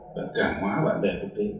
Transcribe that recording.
và cảm hóa bạn bè quốc tế